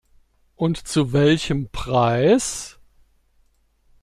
Und zu welchem Preis?